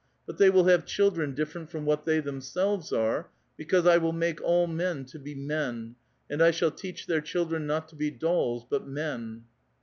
But they will have children different from what they themselves are, because I will make all men to be men, and 1 shall teach their children not to be dolls, but men."